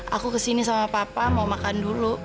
aku kesini sama papa mau makan dulu